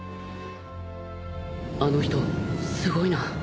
あの人すごいな。